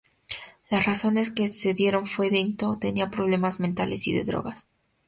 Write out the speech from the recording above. Las razones que se dieron fue que Ingo tenía problemas mentales y de drogas.